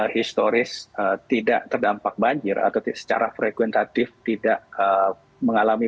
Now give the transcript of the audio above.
historis tidak terdampak banjir atau secara frekuentatif tidak mengalami